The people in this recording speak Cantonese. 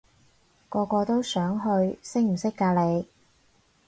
個個都想去，識唔識㗎你？